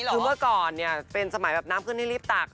คือเมื่อก่อนเนี่ยเป็นสมัยแบบน้ำขึ้นให้รีบตัก